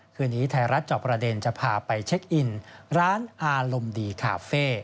คืนนี้ไทยรัฐจอบประเด็นจะพาไปเช็คอินร้านอารมณ์ดีคาเฟ่